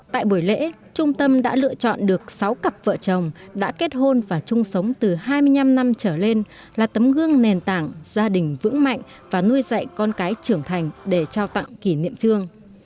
tại buổi lễ trung tâm đã lựa chọn được sáu cặp vợ chồng đã kết hôn và chung sống từ hai mươi năm năm trở lên là tấm gương nền tảng gia đình vững mạnh và nuôi dạy con cái trưởng thành để trao tặng kỷ niệm trương